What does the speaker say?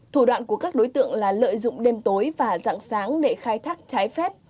thủ đoạn của các đối tượng là lợi dụng đêm tối và dạng sáng để khai thác trái phép